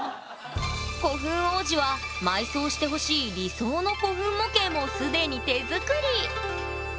古墳王子は埋葬してほしい理想の古墳模型も既に手作り！